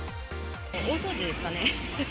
大掃除ですかね。